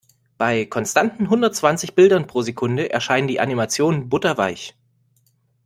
Bei konstanten hundertzwanzig Bildern pro Sekunde erscheinen die Animationen butterweich.